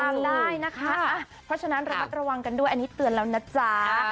ตามได้นะคะเพราะฉะนั้นระวังกันด้วยอันนี้เตือนเรานะจ๊ะ